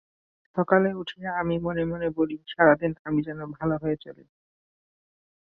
চোখের নিমিষেই শত্রুপক্ষের মিশাইল তোমাদের দিকে ধেয়ে আসবে।